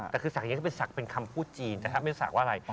แต่คือสักยังเป็นสักเป็นคำพูดจีนแต่ถ้าไม่สักว่าอะไร